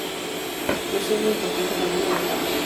Nació en una importante familia de Faro.